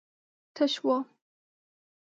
تش و.